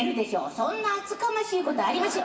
そんな厚かましいことありません。